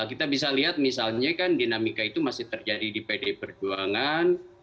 kita bisa lihat misalnya kan dinamika itu masih terjadi di pdi perjuangan